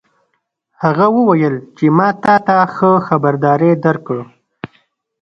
هغه وویل چې ما تا ته ښه خبرداری درکړ